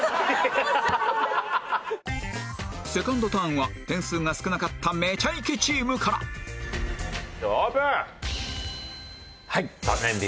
セカンドターンは点数が少なかった『めちゃイケ』チームからではオープン！